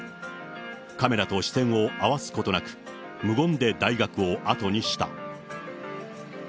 カメラと視線を合わすことなく、無言で大学を後にした。